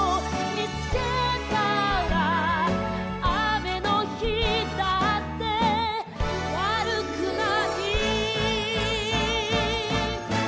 「雨の日だってわるくない」